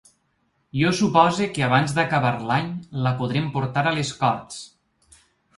Jo supose que abans d’acabar l’any la podrem portar a les corts.